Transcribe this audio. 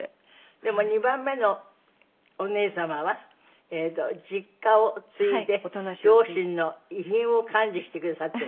でも２番目のお姉様は実家を継いで両親の遺品を管理してくださってる？